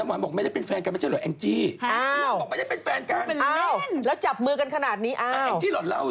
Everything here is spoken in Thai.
มันยังมีคนเขามีความหนักข่าวกับเขากันอีกหรอ